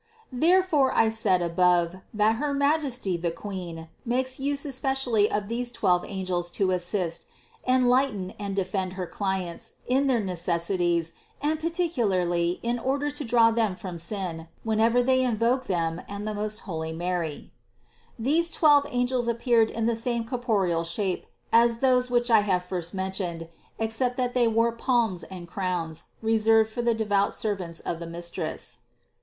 Therefore I said' above (No. 273) that her Majesty, the Queen, makes use especially of these twelve angels to assist, enlighten and defend her clients in their necessities and particu larly in order to draw them from sin, whenever they in voke them and the most holy Mary. 372. These twelve angels appeared in the same corpo real shape as those which I have first mentioned except that they bore palms and crowns, reserved for the devout servants of the Mistress.